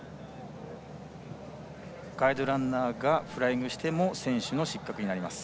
ガイドランナーがフライングしても選手の失格になります。